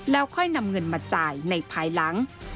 แล้วค่อยนำเงินมาจ่ายในภายหลัง